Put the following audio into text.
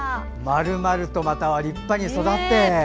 まるまると立派に育って！